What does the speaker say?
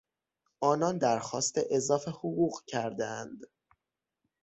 آنان درخواست اضافه حقوق کردهاند.